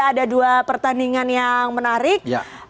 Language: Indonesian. ada dua pertandingan yang menarik